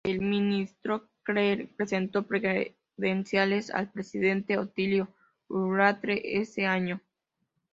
El Ministro Klee presentó credenciales al presidente Otilio Ulate ese año.